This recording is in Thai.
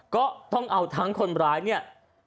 ก็ต้องเอาทั้งคนร้ายเนี่ย